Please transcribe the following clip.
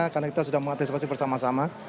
karena kita sudah mengantisipasi bersama sama